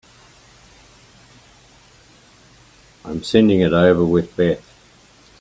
I'm sending it over with Beth.